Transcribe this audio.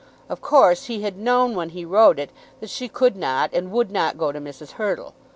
Of course he had known when he wrote it that she could not and would not go to Mrs. Hurtle.